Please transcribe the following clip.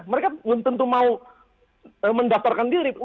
mereka belum tentu mau mendaftarkan diri